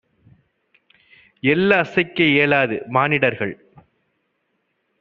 எள்ளை அசைக்க இயலாது. மானிடர்கள்